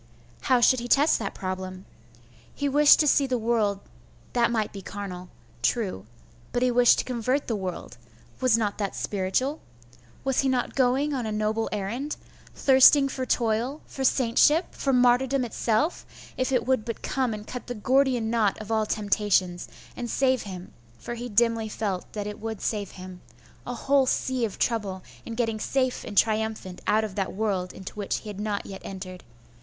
How should he test that problem? He wished to seethe world that might be carnal. True; but, he wished to convert the world.... was not that spiritual? Was he not going on a noble errand?.... thirsting for toil, for saintship, for martyrdom itself, if it would but come and cut the Gordian knot of all temptations, and save him for he dimly felt that it would save him a whole sea of trouble in getting safe and triumphant out of that world into which he had not yet entered